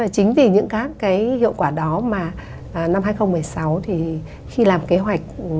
chính vì những các cái hiệu quả đó mà năm hai nghìn một mươi sáu thì khi làm kế hoạch